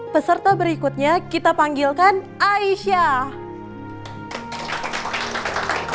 peserta berikutnya kita panggilkan aisyah